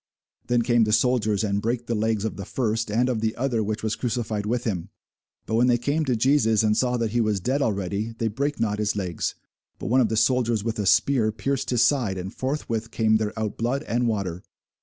Then came the soldiers, and brake the legs of the first, and of the other which was crucified with him. But when they came to Jesus, and saw that he was dead already, they brake not his legs: but one of the soldiers with a spear pierced his side, and forthwith came there out blood and water.